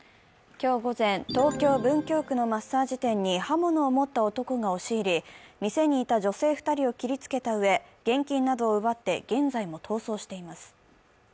今日午前、東京・文京区のマッサージ店に刃物を持った男が押し入り、店にいた女性２人を切りつけたうえ現金などを奪って現在も逃走しています。